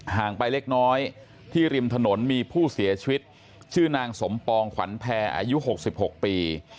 งไปเล็กน้อยที่ริมถนนมีผู้เสียชีวิตชื่อนางสมปองขวัญแพรอายุ๖๖ปี